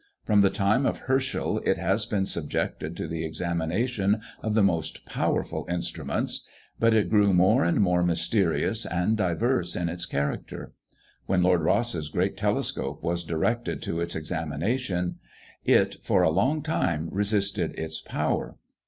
From the time of Herschel it has been subjected to the examination of the most powerful instruments but it grew more and more mysterious and diverse in its character. When Lord Rosse's great telescope was directed to its examination, it for a long time resisted its power.